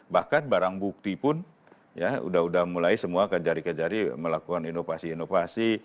bahkan barang bukti pun ya sudah sudah mulai semua ke jari jari melakukan inovasi inovasi